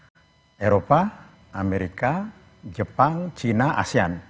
ada eropa amerika jepang cina asean